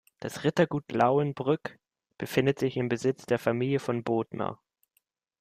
Das Rittergut Lauenbrück befindet sich im Besitz der Familie von Bothmer.